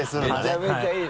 めちゃめちゃいい。